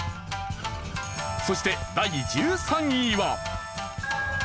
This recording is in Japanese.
そして第１３位は。